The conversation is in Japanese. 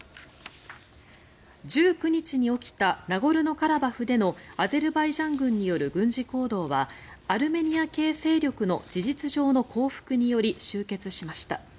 １９日に起きたナゴルノカラバフでのアゼルバイジャン軍による軍事行動はアルメニア系勢力の事実上の降伏により終結しました。